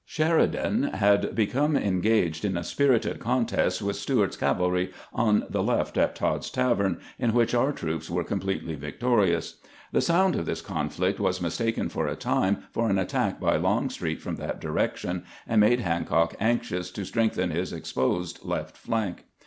Sheridan had become engaged in a spirited contest with Stuart's cavalry on the left at Todd's tavern, in which our troops were completely victorious. The sound of this conflict was mistaken for a time for an attack by Longstreet from that direction, and made Hancock anxious to strengthen his exposed left flank.